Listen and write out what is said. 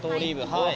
はい。